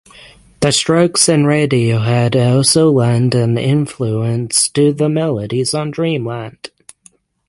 The Strokes and Radiohead also lend an influence to the melodies on "Dreamland".